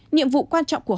nhiệm vụ quan trọng của họ